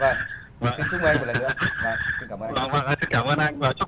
và chúc anh đầu năm mới thật nhiều niềm vui